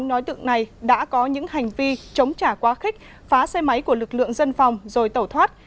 nói tượng này đã có những hành vi chống trả quá khích phá xe máy của lực lượng dân phòng rồi tẩu thoát